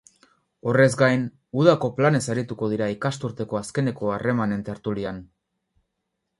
Horrez gain, udako planez arituko dira ikasturteko azkeneko harremanen tertulian.